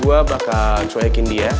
gue bakal cuekin dia